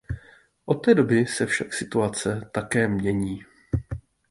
Od té doby se však situace také mění.